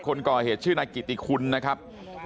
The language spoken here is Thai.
คนก่อเหตุชื่อนายกิติคุณนะครับ